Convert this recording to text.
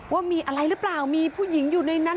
ว่ามีอะไรหรือเปล่ามีผู้หญิงอยู่ในนั้น